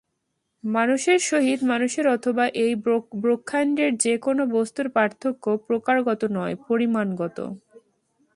মানুষের সহিত মানুষের অথবা এই ব্রহ্মাণ্ডের যে-কোন বস্তুর পার্থক্য প্রকারগত নয়, পরিমাণগত।